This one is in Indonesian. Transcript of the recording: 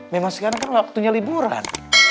memang sekarang kan waktunya liburan